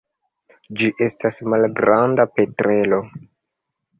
Ĝi estas malgranda petrelo.